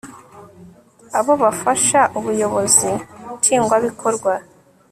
abo bafasha ubuyobozi nshingwabikorwa